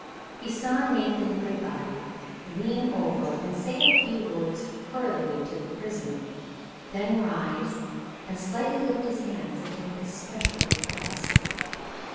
He saw Nathan Goodbody lean over and say a few words hurriedly to the prisoner, then rise and slightly lift his hand as if to make a special request.